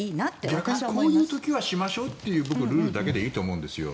逆にこういう時はしましょうというルールだけでいいと思うんですよ。